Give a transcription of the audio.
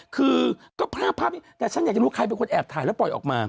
คือก็ภาพนี้แต่ฉันอยากจะรู้ใครเป็นคนแอบถ่ายแล้วปล่อยออกมา